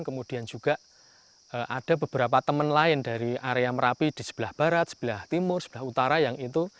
kemudian juga ada beberapa teman lain dari area merapi di sebelah barat sebelah timur sebelah utara yang itu